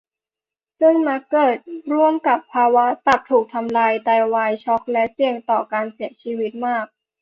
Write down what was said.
ซึ่งมักเกิดร่วมกับภาวะตับถูกทำลาย ไตวาย ช็อก และเสี่ยงต่อการเสียชีวิตมาก